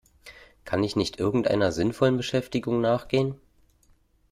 Kann ich nicht irgendeiner sinnvollen Beschäftigung nachgehen?